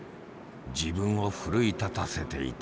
自分を奮い立たせていた。